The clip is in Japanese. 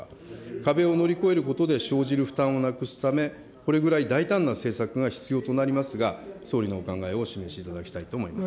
壁を乗り越えることで生じる負担をなくすため、これぐらい大胆な政策が必要となりますが、総理のお考えをお示しいただきたいと思います。